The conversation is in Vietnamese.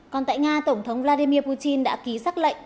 còn tại nga tổng thống vladimir putin đã ký xác lệnh